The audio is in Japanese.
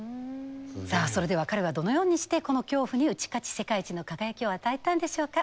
さあそれでは彼はどのようにしてこの恐怖に打ち勝ち世界一の輝きを与えたんでしょうか。